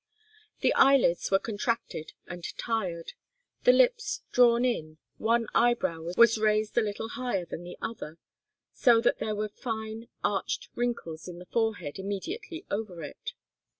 The eyelids were contracted and tired, the lips drawn in, one eyebrow was raised a little higher than the other, so that there were fine, arched wrinkles in the forehead immediately over it.